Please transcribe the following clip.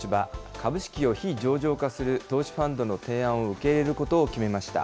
株式を非上場化する投資ファンドの提案を受け入れることを決めました。